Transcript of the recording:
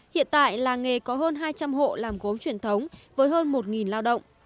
hiện tại làng nghề có hơn hai trăm linh hộ làm gốm truyền thống với hơn một lao động